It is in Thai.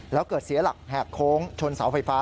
แล้วเกิดเสียหลักแหกโค้งชนเสาไฟฟ้า